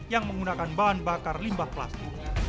yang menggunakan bahan bakar limbah plastik